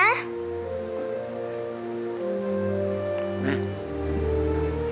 อันนี้พ่อนะ